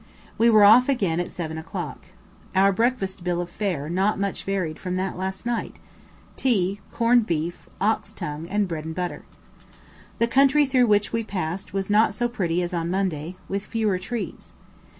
We were off again at 7 o'clock. Our breakfast bill of fare not much varied from that of last night tea, corned beef, ox tongue, and bread and butter. The country through which we passed was not so pretty as on Monday, with fewer trees.